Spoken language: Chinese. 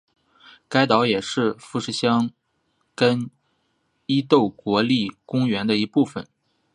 该岛也是富士箱根伊豆国立公园的一部分。